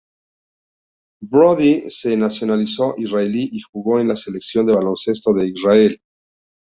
Brody se nacionalizó israelí y jugó en la selección de baloncesto de Israel.